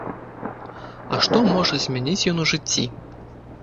А што можа змяніць ён у жыцці?